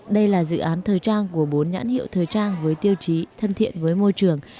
đây là dự án thời trang của bốn nhãn hiệu thời trang với tiêu chí thân thiện với môi trường